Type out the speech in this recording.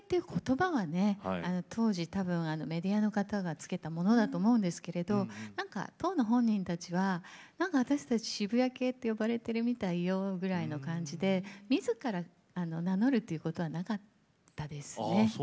当時メディアの方が付けたものだと思うんですが当の本人たちは私たち渋谷系って呼ばれているみたいよ？くらいな感じでみずから名乗るということはなかったですね。